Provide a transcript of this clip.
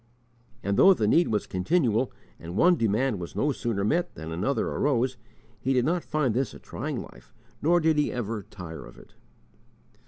And though the need was continual, and one demand was no sooner met than another arose, he did not find this a trying life nor did he ever tire of it.